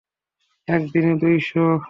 এক দিনে দুই শো।